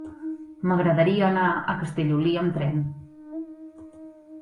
M'agradaria anar a Castellolí amb tren.